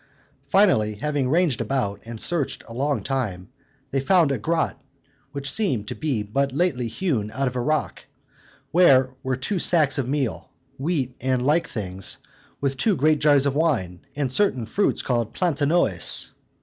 Finally, having ranged about, and searched a long time, they found a grot, which seemed to be but lately hewn out of a rock, where were two sacks of meal, wheat, and like things, with two great jars of wine, and certain fruits called platanoes.